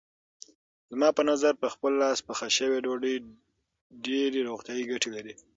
زما په نظر په خپل لاس پخه شوې ډوډۍ ډېرې روغتیايي ګټې لري.